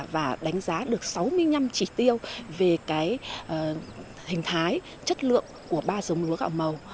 và đánh giá được sáu mươi năm chỉ tiêu về hình thái chất lượng của ba dống lúa gạo màu